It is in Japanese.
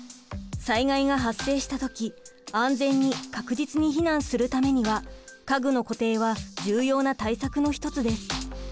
災害が発生した時安全に確実に避難するためには家具の固定は重要な対策の一つです。